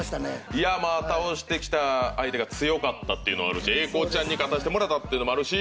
いやあ倒してきた相手が強かったっていうのもあるし英孝ちゃんに勝たせてもらったっていうのもあるし